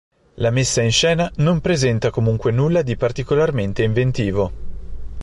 La messa in scena non presenta, comunque, nulla di particolarmente inventivo.